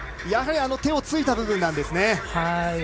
やはり手をついた部分なんですね。